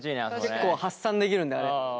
結構発散できるんであれ。